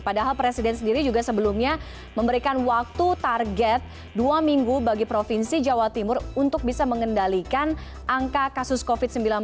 padahal presiden sendiri juga sebelumnya memberikan waktu target dua minggu bagi provinsi jawa timur untuk bisa mengendalikan angka kasus covid sembilan belas